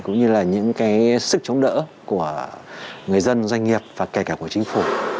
cũng như là những cái sức chống đỡ của người dân doanh nghiệp và kể cả của chính phủ